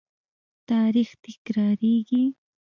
تاریخ تکراریږي